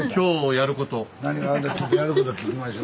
やること聞きましょ。